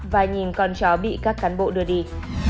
và nhìn con chó bị các cán bộ đưa đi